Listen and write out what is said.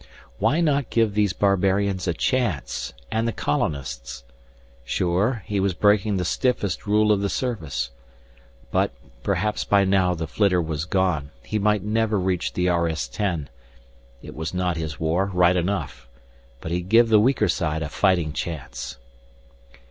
Why not give these barbarians a chance, and the colonists. Sure, he was breaking the stiffest rule of the Service. But, perhaps by now the flitter was gone, he might never reach the RS 10. It was not his war, right enough. But he'd give the weaker side a fighting chance.